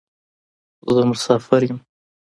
زه مسافر یم.